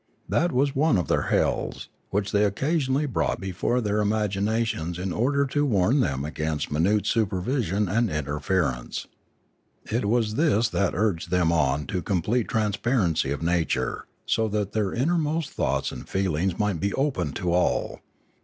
That was one of their hells, which they occasionally brought before their imaginations in order to warn them against minute supervision and interference. It was this that urged them on to complete transparency of nature, so that their inmost thoughts and feelings might be open to all.